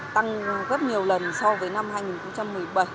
tăng gấp nhiều lần so với năm hai nghìn một mươi bảy